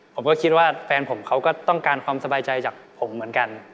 ผมก็คิดว่าแฟนผมเขาก็ต้องการความสบายใจจากผมเหมือนกัน